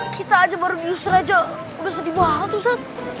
kita aja baru nyusur aja udah sedih banget ustadz